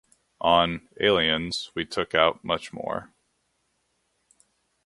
On "Aliens", we took out much more.